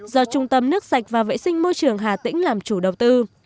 do trung tâm nước sạch và vệ sinh môi trường hà tĩnh làm chủ đầu tư